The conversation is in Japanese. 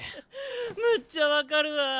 むっちゃ分かるわ！